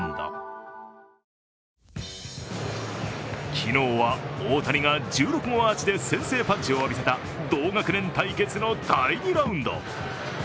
昨日は大谷が１６号アーチで先制パンチを浴びせた同学年対決の第２ラウンド。